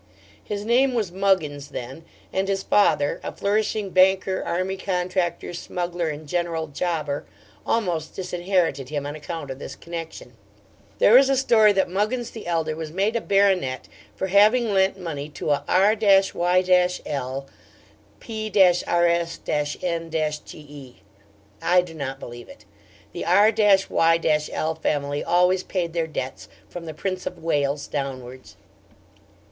His name was Muggins then, and his father a flourishing banker, army contractor, smuggler, and general jobber almost disinherited him on account of this connection. There is a story that Muggins the Elder was made a baronet for having lent money to a R y l p rs n ge. I do not believe it. The R y l Family always paid their debts, from the Prince of Wales downwards.